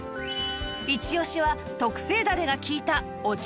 イチオシは特製ダレが利いたお茶漬け